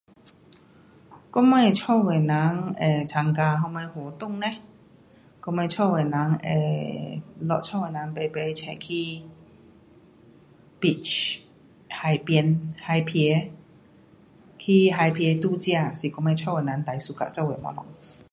我们家的人会参加什么活动呢？我们家的人会，咯家的人排排出去 beach，海边，海边，去海边度假是我们家的人最 suka 做的东西。